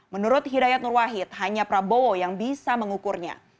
menurut hidayat nurwahid hanya prabowo yang bisa mengukurnya